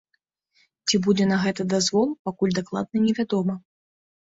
Ці будзе на гэта дазвол, пакуль дакладна невядома.